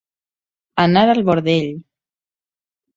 Anar al bordell.